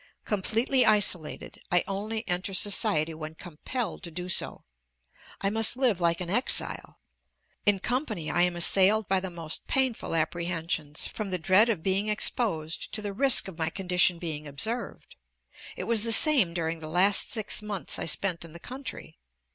Completely isolated, I only enter society when compelled to do so. I must live like an exile. In company I am assailed by the most painful apprehensions, from the dread of being exposed to the risk of my condition being observed. It was the same during the last six months I spent in the country.